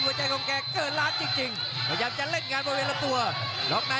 อ้าวแล้วกับสายาโอ้โหกับมัดขวา